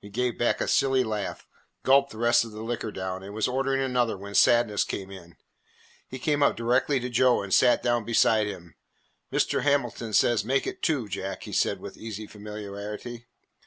He gave back a silly laugh, gulped the rest of the liquor down, and was ordering another when Sadness came in. He came up directly to Joe and sat down beside him. "Mr. Hamilton says 'Make it two, Jack,'" he said with easy familiarity.